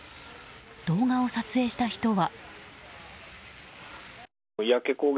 動画を撮影した人は。